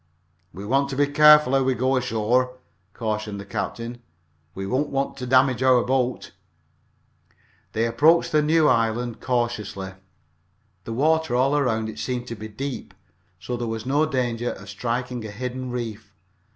"We want to be careful how we go ashore," cautioned the captain. "We don't want to damage our boat." They approached the new land cautiously. The water all around it seemed to be deep, so there was no danger of striking a hidden reef.